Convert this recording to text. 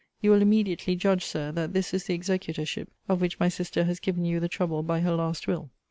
You will immediately judge, Sir, that this is the executorship of which my sister has given you the trouble by her last will.